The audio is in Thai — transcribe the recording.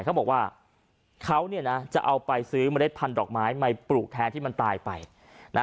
เขาบอกว่าเขาเนี่ยนะจะเอาไปซื้อเมล็ดพันธอกไม้มาปลูกแทนที่มันตายไปนะ